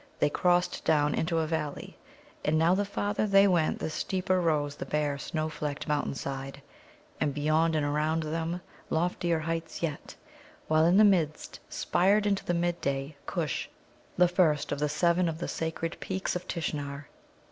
They crossed down into a valley, and now the farther they went the steeper rose the bare, snow flecked mountain side, and beyond and around them loftier heights yet, while in the midst spired into the midday Kush, the first of the seven of the sacred peaks of Tishnar.